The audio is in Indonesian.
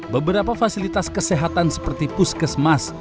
beberapa fasilitas kesehatan seperti puskesmas